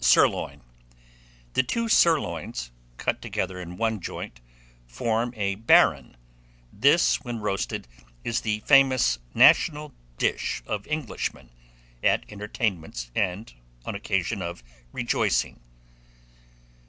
Sirloin. The two sirloins, cut together in one joint, form a baron; this, when roasted, is the famous national dish of Englishmen, at entertainments, on occasion of rejoicing.